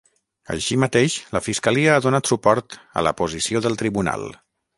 Així mateix, la fiscalia ha donat suport a la posició del tribunal.